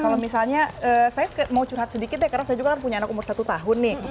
kalau misalnya saya mau curhat sedikit ya karena saya juga kan punya anak umur satu tahun nih